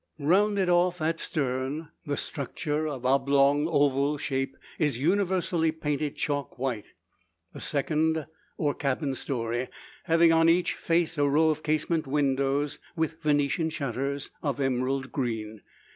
Rounded off at stern, the structure, of oblong oval shape, is universally painted chalk white; the second, or cabin story, having on each face a row of casement windows, with Venetian shutters, of emerald green.